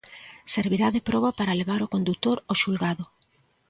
Servirá de proba para levar o condutor ao xulgado.